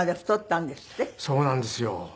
そうなんですよ。